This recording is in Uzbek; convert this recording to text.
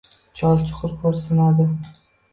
Chol chuqur xo’rsinadi